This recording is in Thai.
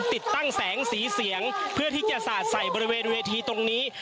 ติดตั้งแสงสีเสียงเพื่อที่จะสาดใส่บริเวณเวทีตรงนี้